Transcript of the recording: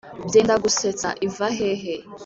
byendagusetsa iva hehe